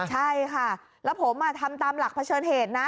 ใช่ค่ะแล้วผมทำตามหลักเผชิญเหตุนะ